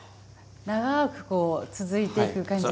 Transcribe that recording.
長くこう続いていく感じですね。